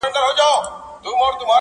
o فکر بايد بدل سي ژر,